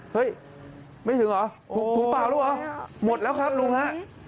เฮ้ยไม่ถึงเหรอถุงเปล่าแล้วเหรอหมดแล้วครับลุงฮะ